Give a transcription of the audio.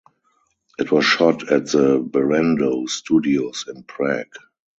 It was shot at the Barrandov Studios in Prague.